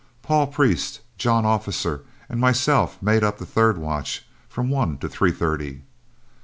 Paul Priest, John Officer, and myself made up the third watch, from one to three thirty.